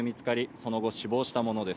その後死亡したものです